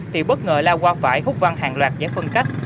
thì bất ngờ la qua phải hút văng hàng loạt giải phân cách